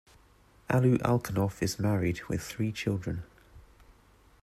Alu Alkhanov is married, with three children.